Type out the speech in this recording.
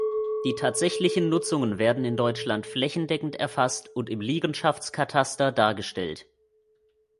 Die tatsächlichen Nutzungen werden in Deutschland flächendeckend erfasst und im Liegenschaftskataster dargestellt.